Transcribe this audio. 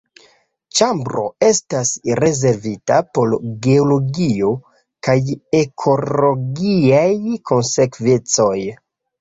Ĉambro estas rezervita por geologio kaj ekologiaj konsekvencoj.